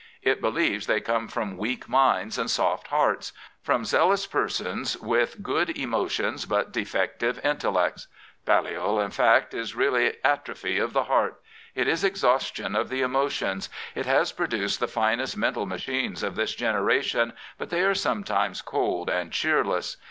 It believes they come from weak minds and soft hearts — from zealous persons with good emotions but defective intellects. BgJhol, ip fact is at roph y of the heart. It is exhaustion of the"emo tions. It has produced the finest mental machines of this generation, but they are sometimes cold and cheerless.